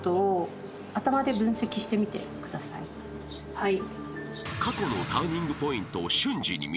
はい。